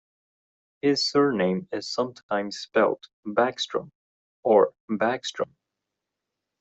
His surname is sometimes spelt Bachstroem or Bachstrohm.